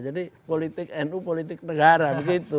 jadi politik nu politik negara begitu